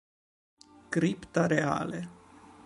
Cripta Reale